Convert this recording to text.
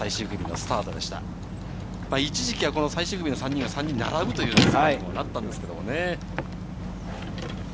一時期は最終組の３人が並ぶということもあったんですけれどね。